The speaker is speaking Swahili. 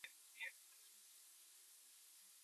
Kuwezesha siku chache kufurahia msisimko wa London na